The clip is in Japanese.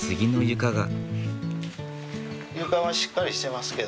床はしっかりしてますけどね。